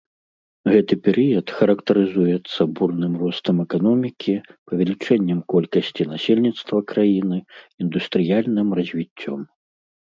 Гэты перыяд характарызуецца бурным ростам эканомікі, павелічэннем колькасці насельніцтва краіны, індустрыяльным развіццём.